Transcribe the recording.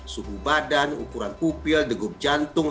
suhu badan ukuran kupil degup jantung